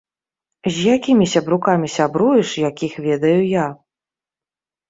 З якімі сябрукамі сябруеш, якіх ведаю я?